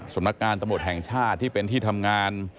สำนักงานตำรวจแห่งชาติที่เป็นที่ทำงาน